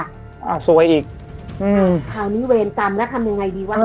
อ่าสวยอีกอืมคราวนี้เวรกรรมแล้วทำยังไงดีวะ